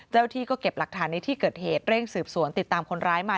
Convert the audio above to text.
ที่ก็เก็บหลักฐานในที่เกิดเหตุเร่งสืบสวนติดตามคนร้ายมา